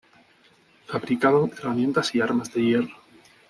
Fabricaban herramientas y armas de hierro.